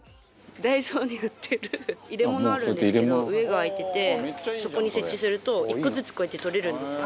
ダイソーに売ってる入れ物あるんですけど上が開いててそこに設置すると１個ずつこうやって取れるんですよ。